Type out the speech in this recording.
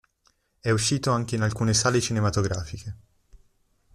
È uscito anche in alcune sale cinematografiche.